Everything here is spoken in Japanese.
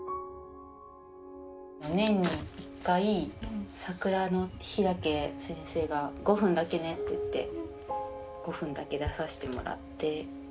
年に一回桜の日だけ先生が「５分だけね」って言って５分だけ出させてもらって。